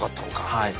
はい。